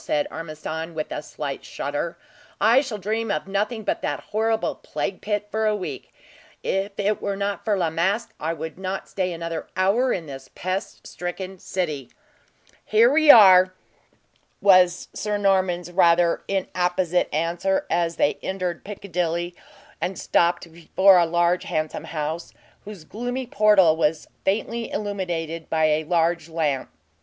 said Ormiston, with a slight shudder. "I shall dream of nothing but that horrible plague pit for a week. If it were not for La Masque, I would not stay another hour in this pest stricken city." "Here we are," was Sir Norman's rather inapposite answer, as they entered Piccadilly, and stopped before a large and handsome house, whose gloomy portal was faintly illuminated by a large lamp.